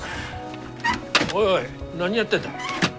おいおい何やってんだ？